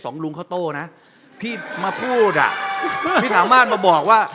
สิบขอเขาเครื่องเนอะเกี๊ยวว่าขอ